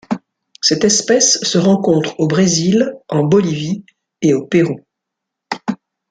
Cette espèce se rencontre au Brésil, en Bolivie et au Pérou.